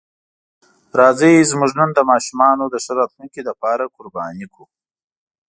راځئ زموږ نن د ماشومانو د ښه راتلونکي لپاره قرباني کړو.